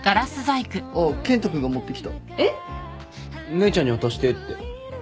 姉ちゃんに渡してって。